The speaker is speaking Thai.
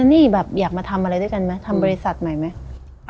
นี่แบบอยากมาทำอะไรด้วยกันไหมทำบริษัทใหม่ไหม